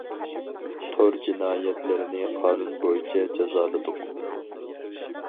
تور جىنايەتلىرىنى قانۇن بويىچە جازالىدۇق.